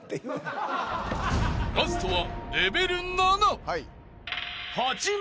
［ラストは］